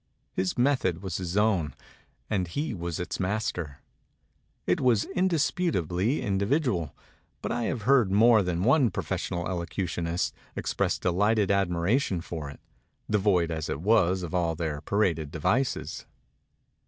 His method was his own; and he was its master. It was indisputably individual; but I have heard more than one professional elocutionist express delighted admiration for it, devoid as it was of all their paraded devices.